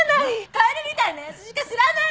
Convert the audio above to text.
カエルみたいなやつしか知らない。